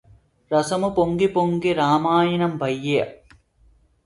రసము పొంగి పొంగి రామాయణంబయ్యె